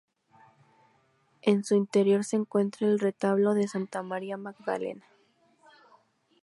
En su interior se encuentra el Retablo de Santa María Magdalena.